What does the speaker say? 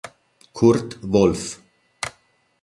Kurt Wolff